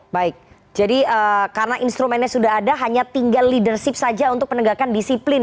baik jadi karena instrumennya sudah ada hanya tinggal leadership saja untuk penegakan disiplin